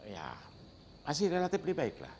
ya masih relatif lebih baik lah